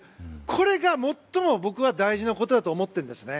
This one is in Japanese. これが最も僕は大事なことだと思っているんですね。